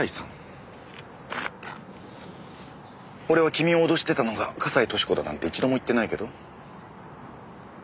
俺は君を脅してたのが笠井俊子だなんて一度も言ってないけど。